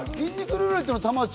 ルーレットの玉を！